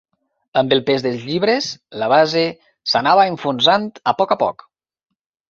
Amb el pes dels llibres, la base s'anava enfonsant a poc a poc.